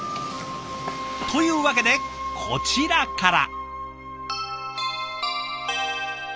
というわけでこちらから。